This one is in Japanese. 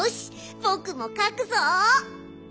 ぼくもかくぞ！